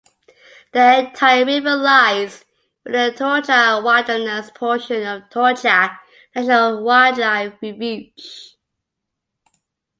The entire river lies within the Togiak Wilderness portion of Togiak National Wildlife Refuge.